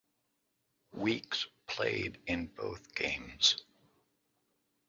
Weeks played in both games.